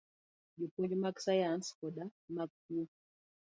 Jopuonj mag sayans koda mag kuo